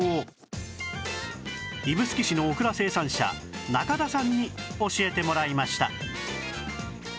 指宿市のオクラ生産者仲田さんに教えてもらいました